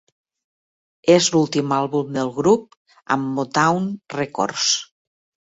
És l'últim àlbum del grup amb Motown Records.